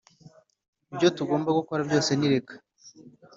ibyo tugomba gukora byose ni reka!